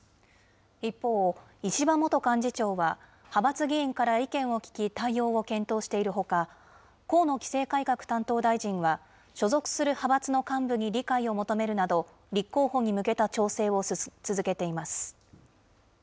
一方、石破元幹事長は、派閥議員から意見を聞き、対応を検討しているほか、河野規制改革担当大臣は、所属する派閥の幹部に理解を求めるなど、立候補に向けた調整を続けています。